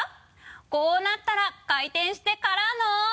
「こうなったら、回転してからのー」